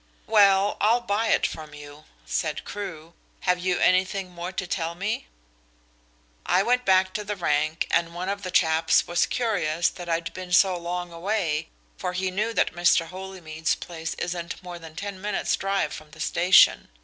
"Well, I'll buy it from you," said Crewe. "Have you anything more to tell me?" "I went back to the rank and one of the chaps was curious that I'd been so long away, for he knew that Mr. Holymead's place isn't more than ten minutes' drive from the station.